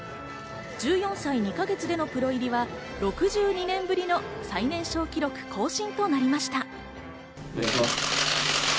１４歳２か月でのプロ入りは、６２年ぶりの最年少記録更新となりました。